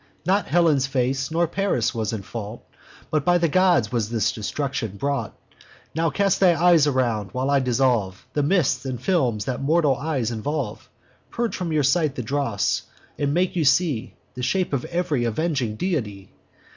Not Helen's face, nor Paris, was in fault; But by the gods was this destruction brought. Now cast your eyes around, while I dissolve The mists and films that mortal eyes involve, Purge from your sight the dross, and make you see The shape of each avenging deity.